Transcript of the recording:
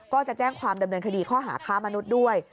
ก็จะแจ้งความดำเนินคดีข้อหาค้ามนุษย์ด้วย